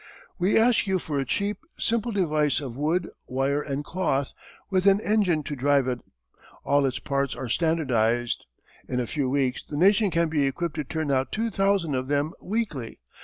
We ask you for a cheap, simple device of wood, wire, and cloth, with an engine to drive it. All its parts are standardized. In a few weeks the nation can be equipped to turn out 2000 of them weekly.